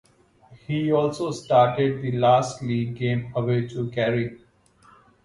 He also started the last league game away to Kerry.